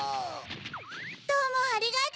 どうもありがと。